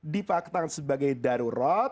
dipaketan sebagai darurat